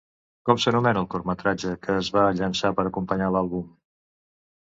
Com s'anomena el curtmetratge que es va llançar per acompanyar l'àlbum?